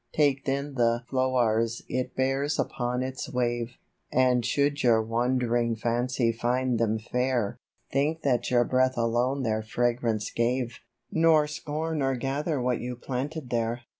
Take then the flow'rs it bears upon its wave ; And should your wand'ring fancy find them fair, Think that your breath alone their fragrance gave, Nor scorn to gather what you planted there.